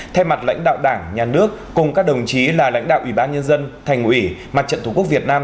thay mặt lãnh đạo đảng nhà nước cùng các đồng chí là lãnh đạo ủy ban nhân dân thành ủy mặt trận tổ quốc việt nam